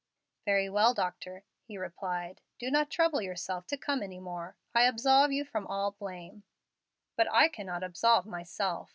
"Very well, doctor," he replied; "do not trouble yourself to come any more. I absolve you from all blame." "But I cannot absolve myself.